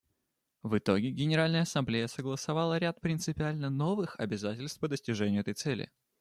В итоге Генеральная Ассамблея согласовала ряд принципиально новых обязательств по достижению этой цели.